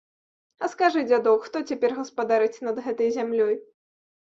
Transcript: А скажы, дзядок, хто цяпер гаспадарыць над гэтай зямлёй?